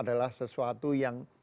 adalah sesuatu yang